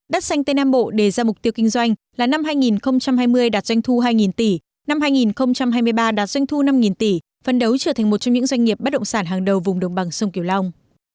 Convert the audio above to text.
đất xanh tây nam bộ đề ra mục tiêu kinh doanh là năm hai nghìn hai mươi đạt doanh thu hai tỷ năm hai nghìn hai mươi ba đạt doanh thu năm tỷ phân đấu trở thành một trong những doanh nghiệp bất động sản hàng đầu vùng đồng bằng sông kiều long